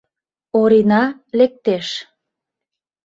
Орина лектеш.